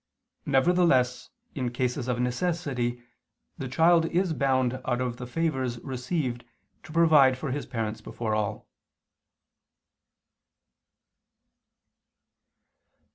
Nevertheless in cases of necessity the child is bound out of the favors received to provide for his parents before all.